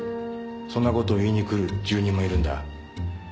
そんなことをいいに来る住人もいるんだ。